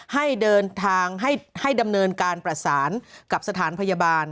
ให้เดินทางให้ดำเนินการประสานกับสถานพยาบาล